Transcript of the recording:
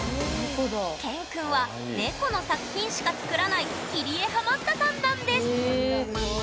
ＫＥＮくんは猫の作品しか作らない切り絵ハマったさんなんです！